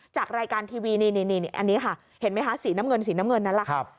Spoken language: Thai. จากรายการทีวีนี่อันนี้ค่ะเห็นไหมคะสีน้ำเงินนั้นแหละ